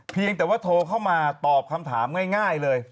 เพียงแต่ว่าโทรเข้ามาตอบคำถามง่ายเลย